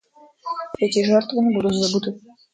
Эти жертвы не будут забыты.